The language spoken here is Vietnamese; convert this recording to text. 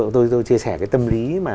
tôi chia sẻ cái tâm lý mà